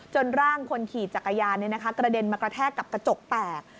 ร่างคนขี่จักรยานกระเด็นมากระแทกกับกระจกแตก